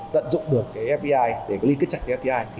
tận dụng được fdi để có lý kết chặt với fdi